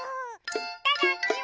いただきます！